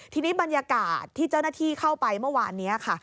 ทีนี้บรรยากาศที่เจ้าหน้าที่เข้าไปเมื่อวานนี้ค่ะ